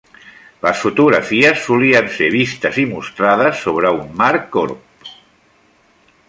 Les fotografies solien ser vistes i mostrades sobre un marc corb.